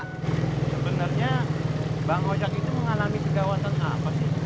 sebenarnya bang ojek itu mengalami kegawasan apa sih